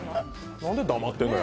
何で黙ってんのよ！